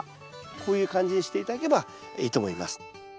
こういう感じにして頂ければいいと思います。